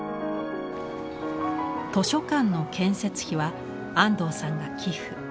図書館の建設費は安藤さんが寄付。